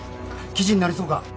記事になりそうか？